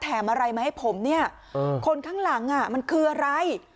อะไรมาให้ผมเนี่ยคนข้างหลังมันคืออะไร